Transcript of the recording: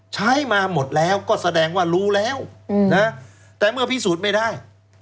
ใช้มาหมดแล้วก็แสดงว่ารู้แล้วนะแต่เมื่อพิสูจน์ไม่ได้